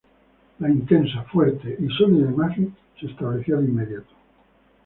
La intensa, fuerte y sólida imagen se estableció de inmediato.